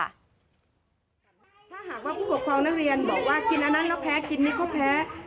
ถ้าหากว่าผู้ปกครองนักเรียนบอกว่ากินอันนั้นแล้วแพ้กินนี่ก็แพ้